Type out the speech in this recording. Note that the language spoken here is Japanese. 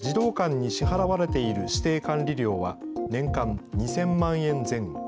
児童館に支払われている指定管理料は年間２０００万円前後。